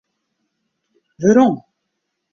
Werom.